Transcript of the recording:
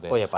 oh ya pasti